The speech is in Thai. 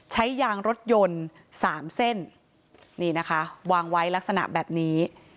ใช้ยางรถยนต์๓เส้นวางไว้ลักษณะแบบนี้